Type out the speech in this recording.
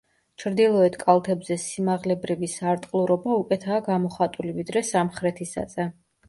ჩრდილოეთ კალთებზე სიმაღლებრივი სარტყლურობა უკეთაა გამოხატული, ვიდრე სამხრეთისაზე.